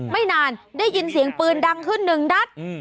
ไม่นานได้ยินเสียงปืนดังขึ้นหนึ่งนัด